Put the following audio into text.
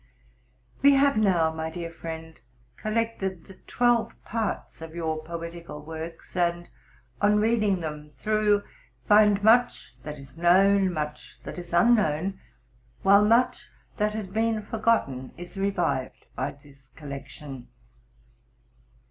'We have now, my dear friend, collected the twelve parts of your poetical works, and, on reading them through, fine much that is known, much that is unknown; while much that had been forgotten is revived by this collection.